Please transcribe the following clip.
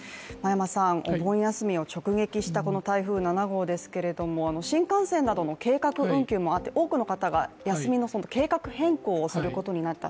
お盆休みを直撃したこの台風７号ですけれども新幹線などの計画運休もあって多くの方が休みの計画変更をすることになった。